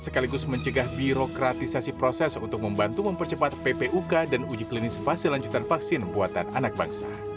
sekaligus mencegah birokratisasi proses untuk membantu mempercepat ppuk dan uji klinis fase lanjutan vaksin buatan anak bangsa